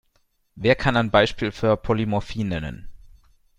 Wer kann ein Beispiel für Polymorphie nennen?